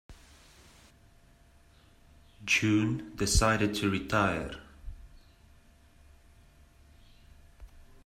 June decided to retire.